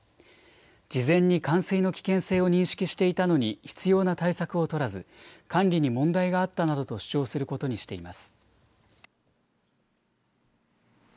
事前に冠水の危険性を認識していたのに必要な対策を取らず管理に問題があったなどと主張することにしています。